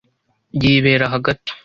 Yibera hagati.